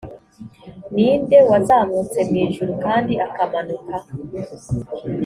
ni nde wazamutse mu ijuru kandi akamanuka